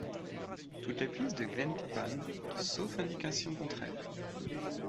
Toutes les pistes de Glenn Tipton, sauf indication contraire.